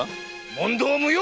問答無用！